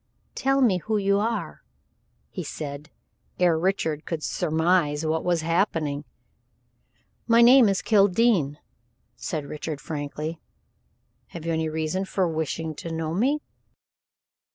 "Tell me who you are," he said, ere Richard could surmise what was happening. "My name is Kildene," said Richard, frankly. "Have you any reason for wishing to know me?"